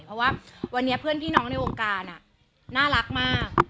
เพราะว่าวันนี้เพื่อนพี่น้องในวงการน่ารักมาก